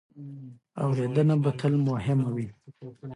اورېدنه به تل مهمه وي.